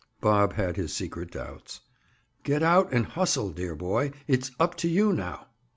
Bob had his secret doubts. "Get out and hustle, dear boy. It's up to you, now!"